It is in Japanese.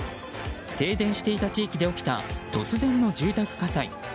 停電していた地域で起きた突然の住宅火災。